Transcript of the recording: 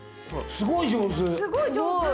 すごい上手。